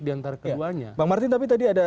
diantara keduanya bang martin tapi tadi ada